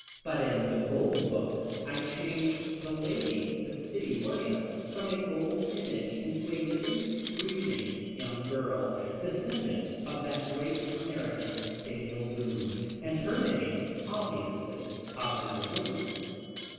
But in The Golden Book I changed the lady the city worshipped from a golden image into a living, breathing young girl, descendant of that great American, Daniel Boone, and her name, obviously, Avanel Boone.